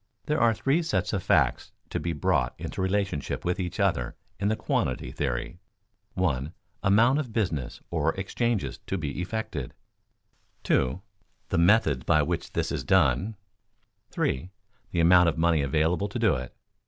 There are three sets of facts to be brought into relationship with each other in the quantity theory: (1) amount of business or exchanges to be effected; (2) the methods by which this is done; (3) the amount of money available to do it.